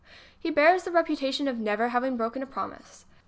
He bears the reputation of never having broken a promise.